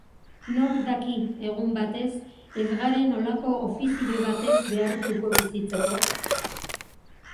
Nork daki, egun batez, ez garen holako ofizio batez behartuko bizitzeko?